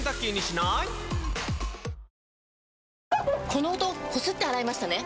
・この音こすって洗いましたね？